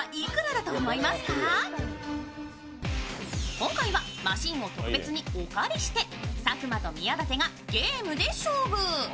今回はマシンを特別にお借りして佐久間と宮舘がゲームで勝負。